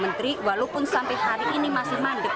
menteri walaupun sampai hari ini masih mandek